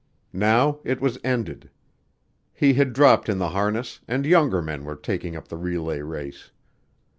Now it was ended. He had dropped in the harness and younger men were taking up the relay race.